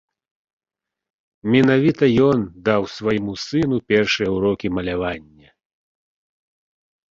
Менавіта ён даў свайму сыну першыя ўрокі малявання.